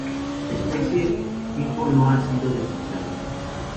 La especie tipo no ha sido designado.